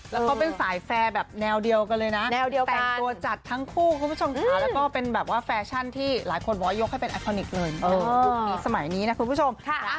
แล้วเขาเป็นสายแฟร์แบบแนวเดียวกันเลยนะแนวเดียวแต่งตัวจัดทั้งคู่คุณผู้ชมค่ะแล้วก็เป็นแบบว่าแฟชั่นที่หลายคนบอกว่ายกให้เป็นแอคทอนิกส์เลยยุคนี้สมัยนี้นะคุณผู้ชม